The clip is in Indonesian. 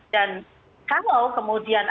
dan kalau kemudian